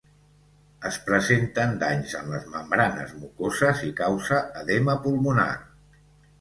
Es presenten danys en les membranes mucoses i causa edema pulmonar.